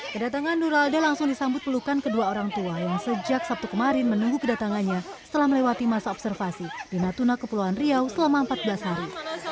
kedatangan nur lalda langsung disambut pelukan kedua orang tua yang sejak sabtu kemarin menunggu kedatangannya setelah melewati masa observasi di natuna kepulauan riau selama empat belas hari